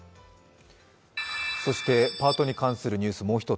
そしてパートに関するニュース、もう１つ。